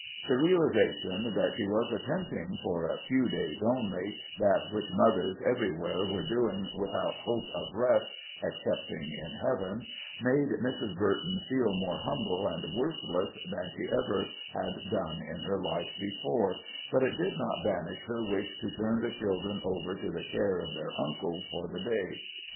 The realization that she was attempting, for a few days only, that which mothers everywhere were doing without hope of rest excepting in heaven, made Mrs. Burton feel more humble and worthless than she had ever done in her life before, but it did not banish her wish to turn the children over to the care of their uncle for the day.